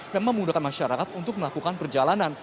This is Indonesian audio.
memang memudahkan masyarakat untuk melakukan perjalanan